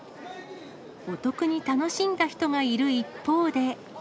お得に楽しんだ人がいる一方で。